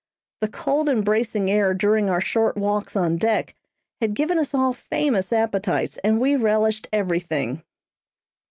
The cold and bracing air during our short walks on deck had given us all famous appetites, and we relished everything.